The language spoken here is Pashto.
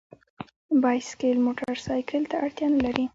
بایسکل موټرسایکل ته اړتیا نه لري.